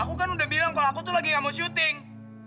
aku kan udah bilang kalau aku tuh lagi gak mau syuting